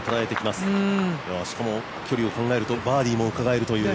しかも、距離を考えるとバーディーもうかがえるという。